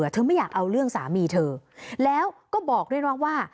ไม่อยากเอาเรื่องสามีเธอแล้วก็บอกด้วยนะว่า